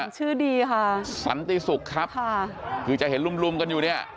ชื่อดีค่ะสันติศุกร์ครับค่ะคือจะเห็นลุมลุมกันอยู่เนี่ย